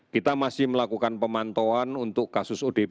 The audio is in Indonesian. kita masih melakukan pemantauan untuk kasus odp